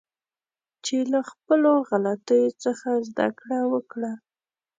چې له خپلو غلطیو څخه زده کړه وکړه